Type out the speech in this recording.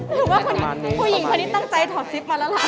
หรือว่าผู้หญิงคนนี้ตั้งใจถอดซิปมาแล้วล่ะ